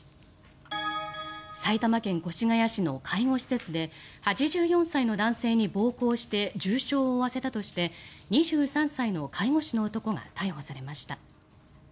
埼玉県越谷市の介護施設で８４歳の男性に暴行して重傷を負わせたとして２３歳の介護士の男が逮捕されました。